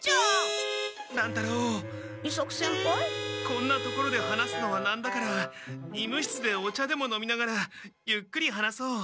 こんな所で話すのはなんだから医務室でお茶でも飲みながらゆっくり話そう。